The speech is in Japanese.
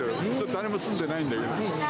誰も住んでないんだけど。